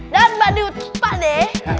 dan bandut pade